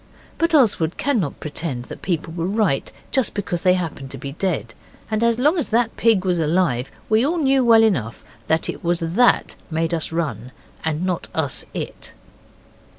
But Oswald cannot pretend that people were right just because they happen to be dead, and as long as that pig was alive we all knew well enough that it was it that made us run and not us it.